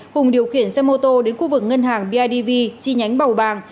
hùng điều khiển xe mô tô đến khu vực ngân hàng bidv chi nhánh bầu bàng